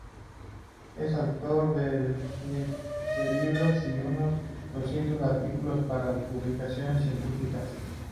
Es autor de veinte libros y unos doscientos artículos para publicaciones científicas.